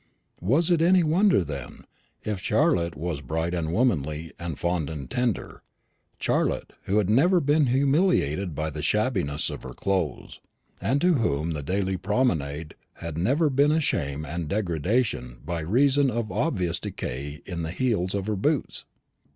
Was it any wonder, then, if Charlotte was bright and womanly, and fond and tender Charlotte, who had never been humiliated by the shabbiness of her clothes, and to whom the daily promenade had never been a shame and a degradation by reason of obvious decay in the heels of her boots?